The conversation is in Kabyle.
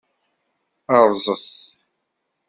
Rrẓet!